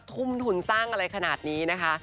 ทุ่มทุนสร้างอะไรขนาดนี้นะคะ